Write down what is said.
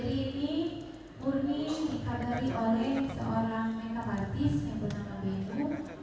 jadi murni dikateri oleh seorang makeup artis yang bernama benu